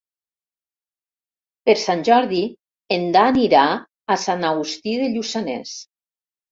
Per Sant Jordi en Dan irà a Sant Agustí de Lluçanès.